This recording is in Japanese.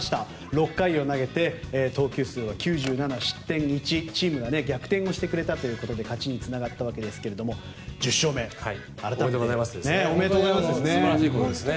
６回を投げて投球数は９７失点１チームが逆転をしてくれたということで勝ちにつながったわけですが１０勝目、改めて。おめでとうございますですね。